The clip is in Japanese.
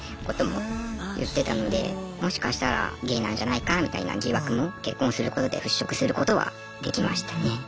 もしかしたらゲイなんじゃないかみたいな疑惑も結婚することで払拭することはできましたね。